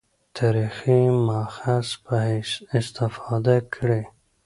تاریخي مأخذ په حیث استفاده کړې.